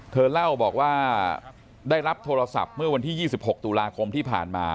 เธอเล่าบอกว่าได้รับโทรศัพท์เมื่อวันที่๒๖ตุลาคมที่ผ่านมา